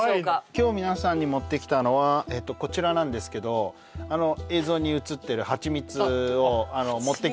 今日皆さんに持ってきたのはえっとこちらなんですけどあの映像にうつってるハチミツだよ